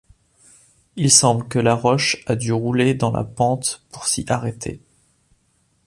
Il semble que la roche a dû rouler dans la pente pour s'y arrêter.